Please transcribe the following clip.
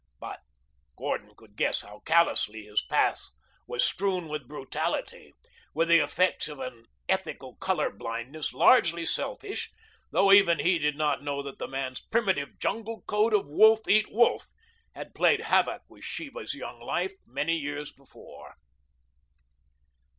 But Gordon could guess how callously his path was strewn with brutality, with the effects of an ethical color blindness largely selfish, though even he did not know that the man's primitive jungle code of wolf eat wolf had played havoc with Sheba's young life many years before.